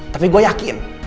tapi gua yakin